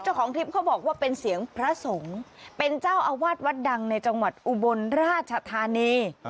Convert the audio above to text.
เจ้าของคลิปเขาบอกว่าเป็นเสียงพระสงฆ์เป็นเจ้าอาวาสวัดดังในจังหวัดอุบลราชธานี